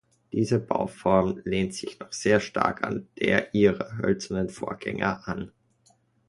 Diese Bauform lehnt sich noch sehr stark an der ihrer hölzernen Vorgänger an.